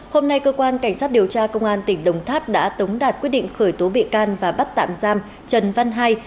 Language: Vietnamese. hôm nay cơ quan cảnh sát điều tra công an tỉnh đồng tháp đã tống đạt quyết định khởi tố bị can và bắt tạm giam trần văn hai